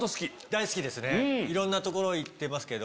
いろんな所行ってますけど。